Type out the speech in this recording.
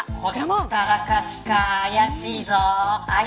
ほったらかしか、怪しいぞ。